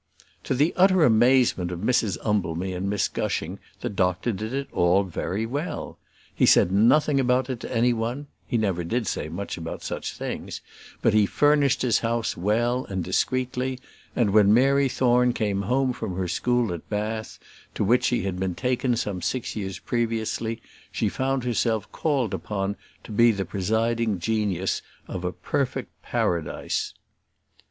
To the utter amazement of Mrs Umbleby and Miss Gushing, the doctor did it all very well. He said nothing about it to any one he never did say much about such things but he furnished his house well and discreetly; and when Mary Thorne came home from her school at Bath, to which she had been taken some six years previously, she found herself called upon to be the presiding genius of a perfect paradise.